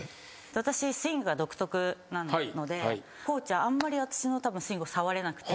私スイングが独特なのでコーチはあんまり私のスイングを触れなくて。